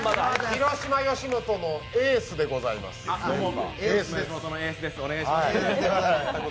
広島よしもとのエースでございます。